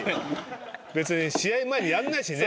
別に試合前にやんないしね。